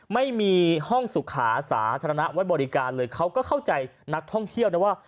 ไม่มีห้องสุขาสาธารณะไว้บริการเลยเขาก็เข้าใจนักท่องเที่ยวนะว่า